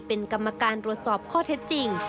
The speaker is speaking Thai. เป็นกรรมการตรวจสอบข้อเท็จจริง